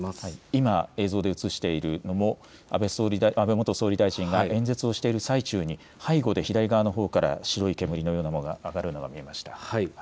今、映像で映しているのも安倍元総理大臣が演説をしている最中に背後で左側のほうから白い煙のようなものが上がるのが見えました。